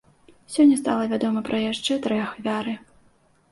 Сёння стала вядома пра яшчэ тры ахвяры.